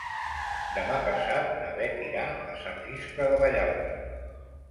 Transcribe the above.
Demà passat na Bet irà a Sant Iscle de Vallalta.